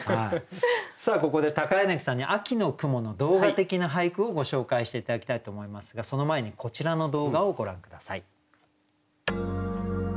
さあここで柳さんに秋の雲の動画的な俳句をご紹介して頂きたいと思いますがその前にこちらの動画をご覧下さい。